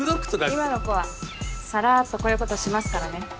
今の子はさらっとこういうことしますからね。